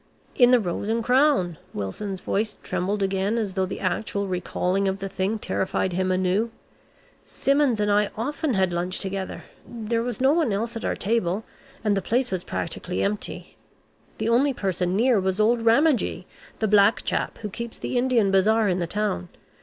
"In the Rose and Crown," Wilson's voice trembled again as though the actual recalling of the thing terrified him anew. "Simmons and I often had lunch together. There was no one else at our table, and the place was practically empty. The only person near was old Ramagee, the black chap who keeps the Indian bazaar in the town.